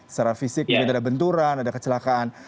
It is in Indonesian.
secara fisik mungkin ada benturan ada kecelakaan